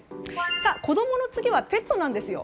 子供の次はペットなんですよ。